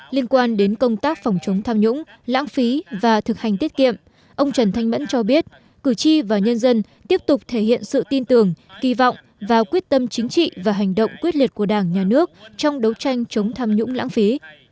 liên quan đến công tác phòng chống tham nhũng lãng phí và thực hành tiết kiệm ông trần thanh mẫn cho biết cử tri và nhân dân tiếp tục thể hiện sự tin tưởng kỳ vọng vào quyết tâm chính trị và hành động quyết liệt của đảng nhà nước trong đấu tranh chống tham nhũng lãng phí